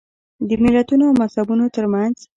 د ملتونو او مذهبونو ترمنځ.